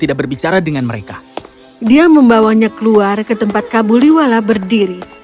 dia membawa ayahnya keluar ke tempat kabuliwala berdiri